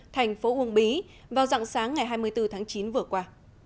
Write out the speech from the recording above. thành phố uông bí vào dạng sáng ngày hai mươi bốn tháng chín vừa qua